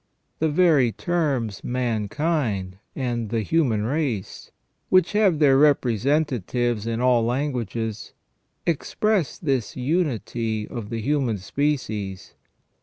The very terms mankind and the human race, which have their representatives in all languages, express this unity of the human species.